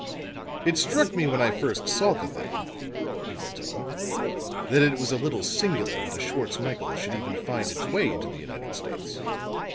"It struck me when I first saw the thing," he went on, "that it was a little singular that a Schwartz Michael should even find its way into the United States.